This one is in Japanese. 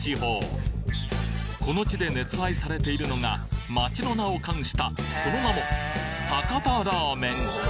この地で熱愛されているのが町の名を冠したその名も酒田ラーメン